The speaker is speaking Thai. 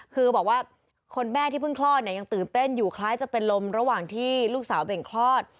คือบอกว่าคนแม่ที่เพิ่งคลอดเนี่ยยังตื่นเต้นอยู่คล้ายจะเป็นลมระหว่างที่ลูกสาวเบ่งคลอด